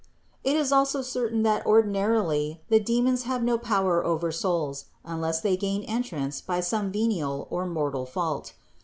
281. It is also certain that ordinarily the demons have no power over souls, unless they gain entrance by some venial or mortal fault.